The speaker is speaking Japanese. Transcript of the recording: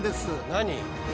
何？